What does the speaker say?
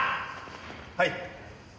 はい。